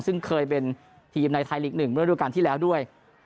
ซึ่งเคยเป็นทีมในไทยลีก๑เมื่อดูการที่แล้วด้วย